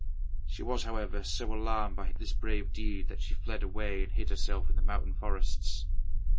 She was, however, so alarmed by this brave deed that she fled away and hid herself in the mountain forests.